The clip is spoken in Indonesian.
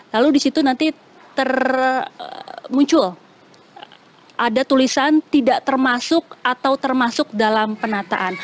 lalu di situ nanti muncul ada tulisan tidak termasuk atau termasuk dalam penataan